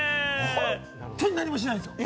本当に何もしないんですよ。